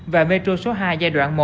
và metro số hai giai đoạn một